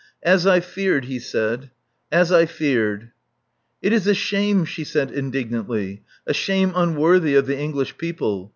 "As I feared," he said. As I feared." "It is a shame," she said indignantly, "a shame unworthy of the English people.